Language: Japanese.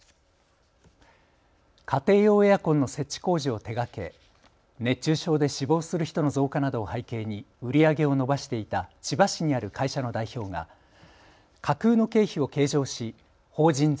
家庭用エアコンの設置工事を手がけ熱中症で死亡する人の増加などを背景に売り上げを伸ばしていた千葉市にある会社の代表が架空の経費を計上し法人税